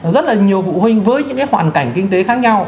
rất là nhiều phụ huynh với những hoàn cảnh kinh tế khác nhau